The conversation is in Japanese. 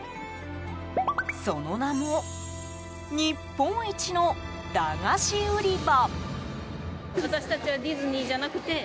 その名も日本一のだがし売場。